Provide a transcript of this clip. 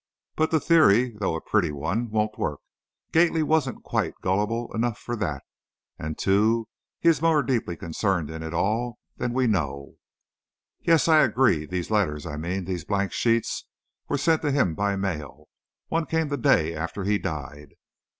But the theory, though a pretty one, won't work. Gately wasn't quite gullible enough for that, and, too, he is more deeply concerned in it all than we know." "Yes," I agreed; "these letters, I mean, these blank sheets, were sent to him by mail. One came the day after he died."